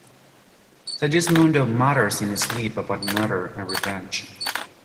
Segismundo mutters in his sleep about murder and revenge.